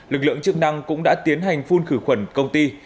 lực lượng chức năng cũng đã tiến hành phun khử khuẩn công ty